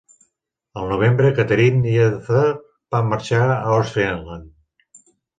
Al novembre, Catherine i Edzard van marxar a Ostfriesland.